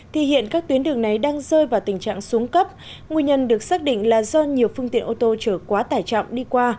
thì hiện các tuyến đường này đang rơi vào tình trạng xuống cấp nguyên nhân được xác định là do nhiều phương tiện ô tô chở quá tải trọng đi qua